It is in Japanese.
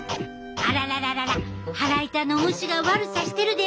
あららららら腹痛の虫が悪さしてるで！